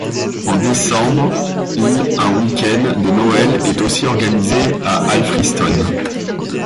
En décembre, il un week-end de Noël est aussi organisé à Alfriston.